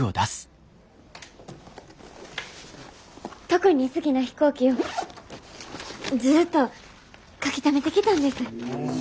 特に好きな飛行機をずっと描きためてきたんです。